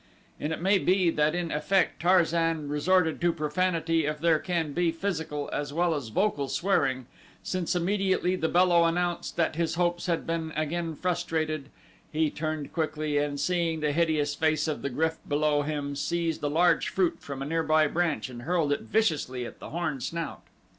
And it may be that in effect Tarzan resorted to profanity if there can be physical as well as vocal swearing, since immediately the bellow announced that his hopes had been again frustrated, he turned quickly and seeing the hideous face of the GRYF below him seized a large fruit from a nearby branch and hurled it viciously at the horned snout.